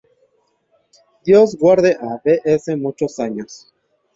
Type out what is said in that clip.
Dios guarde a V. S. muchos años.